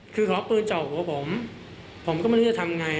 คือเขาเอาปืนเจาะหัวผมผมก็ไม่รู้จะทำไง